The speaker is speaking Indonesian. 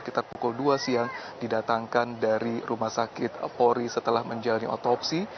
sekitar pukul dua siang didatangkan dari rumah sakit polri setelah menjalani otopsi